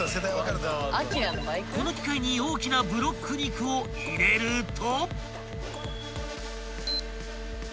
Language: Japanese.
［この機械に大きなブロック肉を入れると］